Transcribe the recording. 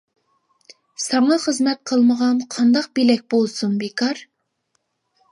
ساڭا خىزمەت قىلمىغان قانداق بىلەك بولسۇن بىكار.